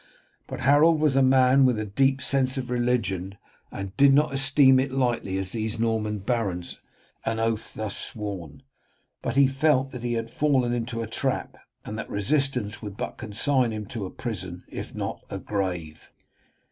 But Harold was a man with a deep sense of religion, and did not esteem as lightly as these Norman barons an oath thus sworn; but he felt that he had fallen into a trap, and that resistance would but consign him to a prison, if not a grave.